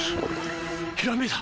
ひらめいた！